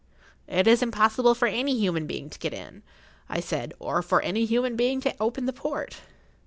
"It is impossible for any human being to get in," I said, "or for any human being to open the port."